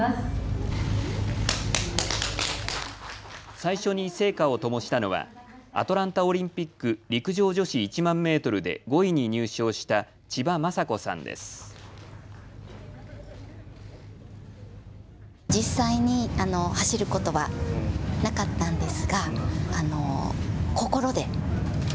最初に聖火をともしたのはアトランタオリンピック陸上女子１万メートルで５位に入賞した千葉真子さんです。